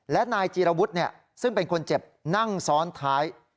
และนายจีรวุฒิซึ่งเป็นคนเจ็บนั่งซ้อนท้าย